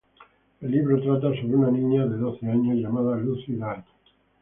El libro trata sobre una niña de doce años, llamada Lucy Dark.